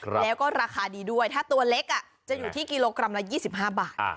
แล้วก็ราคาดีด้วยถ้าตัวเล็กจะอยู่ที่กิโลกรัมละ๒๕บาท